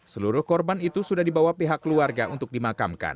seluruh korban itu sudah dibawa pihak keluarga